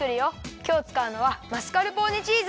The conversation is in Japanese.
きょうつかうのはマスカルポーネチーズ。